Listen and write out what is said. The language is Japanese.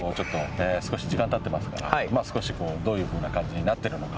少し時間が経ってますからまあ少しどういう風な感じになってるのか。